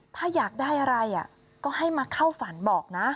ถ้าอยากได้อะไรก็ให้มาเข้าฝันบอกนะ